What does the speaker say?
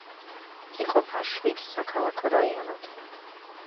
იყოფა შვიდ საქალაქო რაიონად.